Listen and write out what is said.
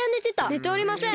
ねておりません！